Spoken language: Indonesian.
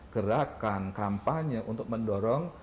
gerakan kampanye untuk mendorong